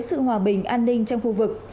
sự hòa bình an ninh trong khu vực